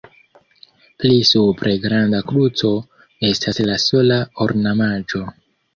Pli supre granda kruco estas la sola ornamaĵo.